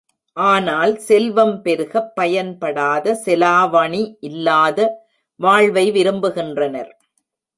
ஆனால், செல்வம் பெருகப் பயன்படாத செலாவணியில்லாத வாழ்வை விரும்புகின்றனர்.